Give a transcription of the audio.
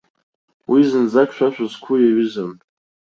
Уи зынӡак шәа шәызқәу иаҩызам.